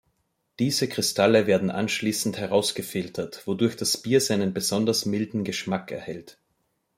Diese Kristalle werden anschließend herausgefiltert, wodurch das Bier seinen besonders milden Geschmack erhält.